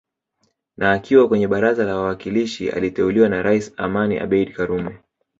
Na akiwa kwenye baraza la wawakilishi aliteuliwa na Rais Amani Abeid karume